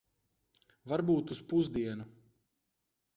Varbūt uz pusdienu.